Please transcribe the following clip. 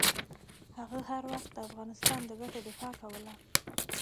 هغه هر وخت د افغانستان د ګټو دفاع کوله.